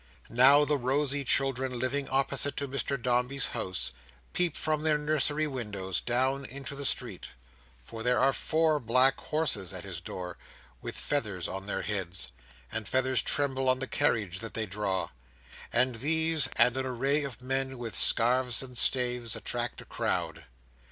Now the rosy children living opposite to Mr Dombey's house, peep from their nursery windows down into the street; for there are four black horses at his door, with feathers on their heads; and feathers tremble on the carriage that they draw; and these, and an array of men with scarves and staves, attract a crowd.